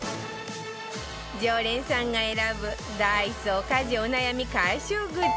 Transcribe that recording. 常連さんが選ぶダイソー家事お悩み解消グッズ